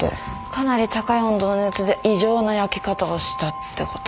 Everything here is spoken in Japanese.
かなり高い温度の熱で異常な焼け方をしたってこと。